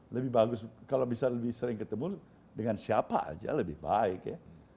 lebih bagus kalau bisa lebih sering ketemu dengan siapa aja lebih baik ya